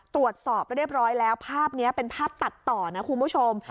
ตรวจสอบเรียบร้อยแล้วภาพนี้เป็นภาพตัดต่อนะคุณผู้ชม